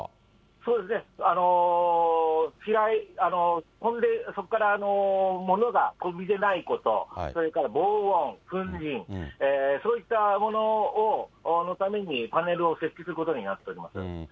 そうですね、飛んで、そこから物が飛び出ないこと、それから防音、粉じん、そういったもののために、パネルを設置することになっております。